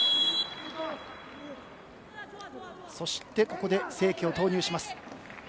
そして、ここで清家を投入します。